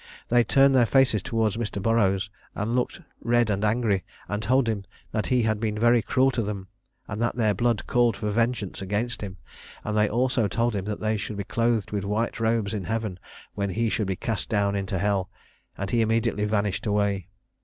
They turned their faces towards Mr. Burroughs, and looked red and angry, and told him that he had been very cruel to them, and that their blood called for vengeance against him; and they also told him that they should be clothed with white robes in heaven when he should be cast down into hell, and he immediately vanished away.